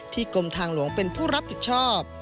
กรมทางหลวงเป็นผู้รับผิดชอบ